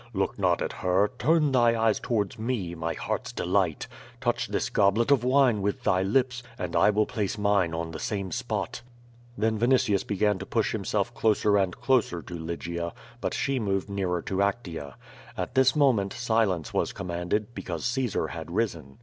Look not at her; turn thy eyes towards me, my heart's delight! Touch this goblet of wine with thy lips, and I will place mine on the same spot.*' Then Vinitius began to push himself closer and closer to Lygia, but she moved nearer to Actea. At this moment silence was commanded, because Caesar had risen.